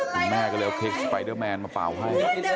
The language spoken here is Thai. คุณแม่ก็เลยเอาพริกสไปเดอร์แมนมาเป่าให้